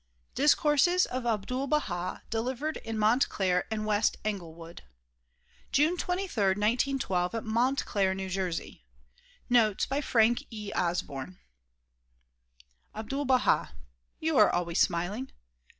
Discourses of Abdul Baha delivered in Montclair and West Englewood. June 23, 1912, at Montclair, New Jersey. f Notes by Frank E. Osborne Ahdul Baha — You are always smiling.